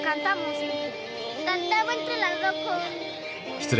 失礼！